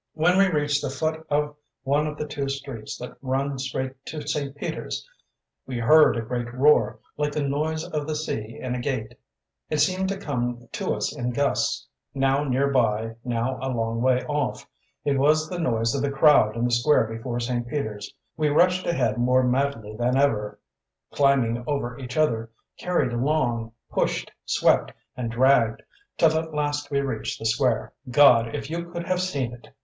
When we reached the foot of one of the two streets that run straight to St. Peter's we heard a great roar, like the noise of the sea in a gale; it seemed to come to us in gusts, now near by, now a long way off. It was the noise of the crowd in the square before St. Peter's. We rushed ahead more madly than ever; climbing over each other, carried along, pushed, swept, and dragged, till at last we reached the square. God, if you could have seen it!